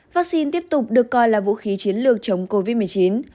vaccine tiếp tục được coi là vũ khí chiến lược chống covid một mươi chín